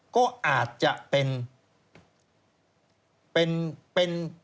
ก็อาจจะเป็น